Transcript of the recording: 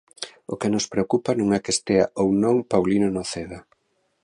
O que nos preocupa non é que estea ou non Paulino Noceda.